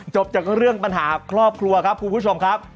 จบจากเรื่องปัญหาครอบครัวครับคุณผู้ชมครับ